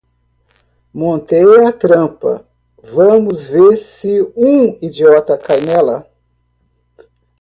Montei a trampa, vamos ver se um idiota cai nela